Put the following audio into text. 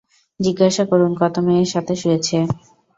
জিজ্ঞাসা করুন, কত মেয়ের সাথে শুয়েছে!